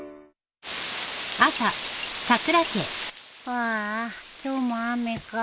ああ今日も雨か。